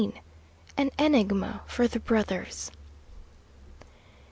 AN ENIGMA FOR THE BROTHERS.